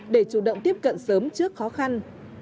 để chủ động tiếp cận sớm trước khó khăn